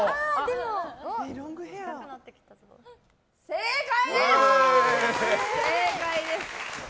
正解です！